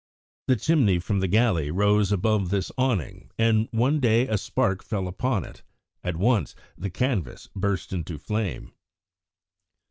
The chimney from the galley rose above this awning, and one day a spark fell upon it. At once the canvas burst into flame.